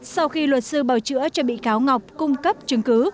sau khi luật sư bảo chữa cho bị cáo ngọc cung cấp chứng cứ